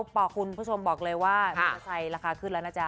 บอกคุณผู้ชมบอกเลยว่ามอเตอร์ไซค์ราคาขึ้นแล้วนะจ๊